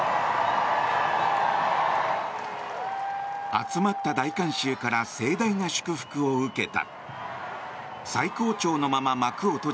集まった大観衆から盛大な祝福を受けた。